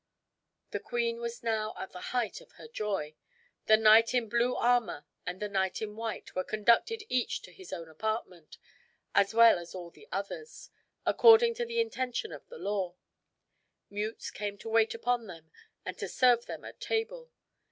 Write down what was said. The queen was now at the height of her joy. The knight in blue armor and the knight in white were conducted each to his own apartment, as well as all the others, according to the intention of the law. Mutes came to wait upon them and to serve them at table.